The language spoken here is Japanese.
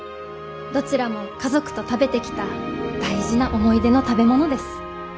どちらも家族と食べてきた大事な思い出の食べ物です。